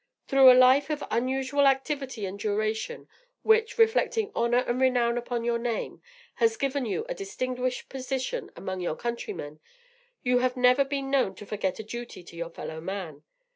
Through a life of unusual activity and duration, which, reflecting honor and renown upon your name, has given you a distinguished position among your countrymen, you have never been known to forget a duty to your fellow man.